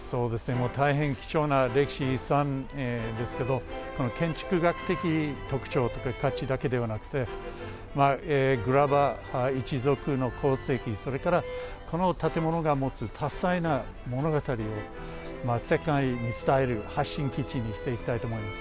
大変貴重な歴史遺産ですけど建築学的特徴価値だけではなくてグラバー一族の功績、それからこの建物が持つ多彩な物語を世界に伝える発信基地にしていきたいと思います。